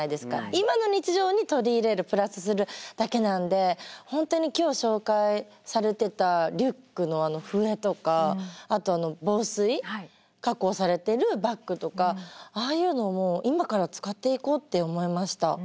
今の日常に取り入れるプラスするだけなんで本当に今日紹介されてたリュックの笛とかあと防水加工されてるバッグとかああいうのも今から使っていこうって思いました。